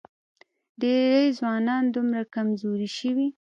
ډېری ځوانان دومره کمزوري شوي